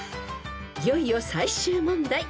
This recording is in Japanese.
［いよいよ最終問題］